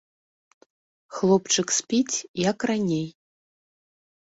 Хлопчык спіць, як раней.